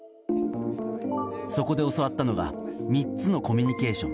そこで教わったのが３つのコミュニケーション。